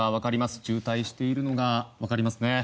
渋滞しているのがわかりますね。